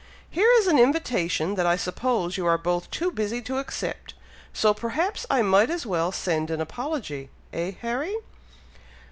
"Here is an invitation that I suppose you are both too busy to accept, so perhaps I might as well send an apology; eh, Harry?"